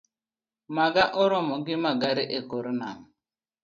Manga oromo gi magare ekor nam